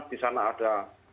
di sana ada